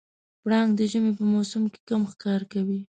پړانګ د ژمي په موسم کې کم ښکار کوي.